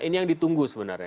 ini yang ditunggu sebenarnya